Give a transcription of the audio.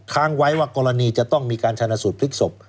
ค้างไว้ว่ากรณีจะต้องมีการชนะสูตรพลิกศพ